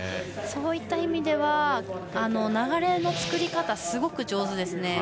そういった意味では流れの作り方がすごく上手ですね。